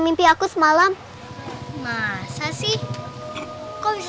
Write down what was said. mimpi aku semalam masa sih kok bisa